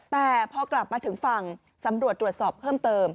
แต่พอกลับมาถึงฝั่งสำรวจตรวจสอบเพิ่มเติม